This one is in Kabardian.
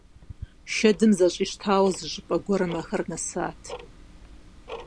Шэдым зэщӀищтауэ зыщӀыпӀэ гуэрым ахэр нэсат.